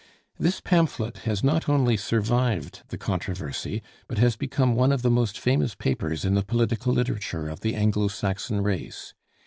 This pamphlet has not only survived the controversy, but has become one of the most famous papers in the political literature of the Anglo Saxon race.